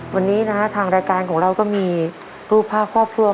วันนี้นะฮะทางรายการของเราก็มีรูปภาพครอบครัว